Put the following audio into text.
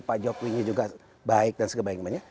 pak jokowinya juga baik dan sebagainya